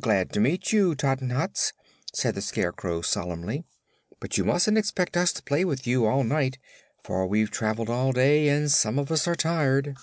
"Glad to meet you, Tottenhots," said the Scarecrow solemnly. "But you mustn't expect us to play with you all night, for we've traveled all day and some of us are tired."